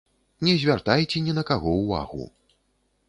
Не звяртайце ні на каго ўвагу.